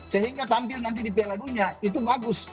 sehingga tampil nanti di piala dunia itu bagus